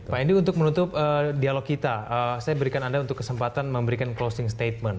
pak hendy untuk menutup dialog kita saya berikan anda untuk kesempatan memberikan closing statement